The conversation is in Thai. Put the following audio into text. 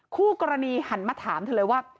คู่กรณีหันมาถามเธอเลยว่า